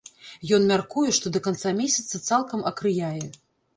Ён мяркуе, што да канца месяца цалкам акрыяе.